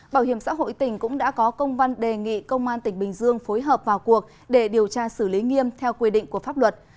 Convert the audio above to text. bảo hiểm xã hội tỉnh cũng đã có công văn đề nghị công an tỉnh bình dương phối hợp vào cuộc để điều tra xử lý nghiêm theo quy định của pháp luật